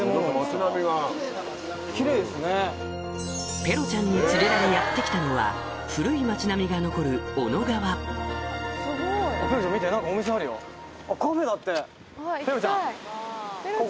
ペロちゃんに連れられやって来たのは古い街並みが残るここ！